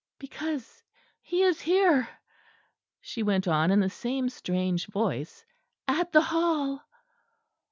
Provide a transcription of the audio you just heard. "Because he is here," she went on in the same strange voice, "at the Hall."